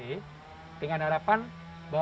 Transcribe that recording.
dengan harapan bahwa kita bisa menjaga kemampuan masyarakat